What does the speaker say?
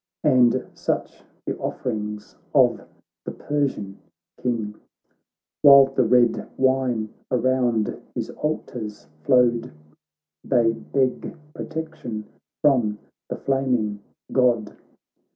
And such the offerings of the Persian King; While the red wine around his altars flowed They beg protection from the flaming God.